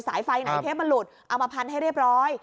สายไฟไหนเทปมันหลุดเอามาพันให้เรียบร้อย